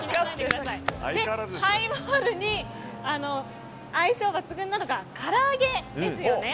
ハイボールに相性抜群なのがから揚げですよね。